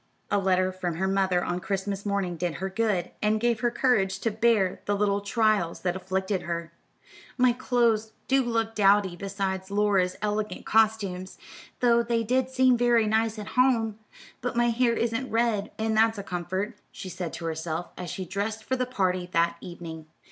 A letter from her mother on Christmas morning did her good, and gave her courage to bear the little trials that afflicted her. "My clothes do look dowdy beside Laura's elegant costumes, though they did seem very nice at home; but my hair isn't red, and that's a comfort," she said to herself, as she dressed for the party that evening.